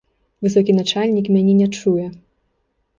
Высокі начальнік мяне не чуе.